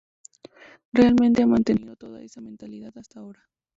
Realmente he mantenido toda esa mentalidad hasta ahora".